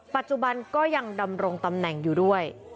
ปัจจุบันก็ยังดำรงตำแหน่งอยู่ด้วย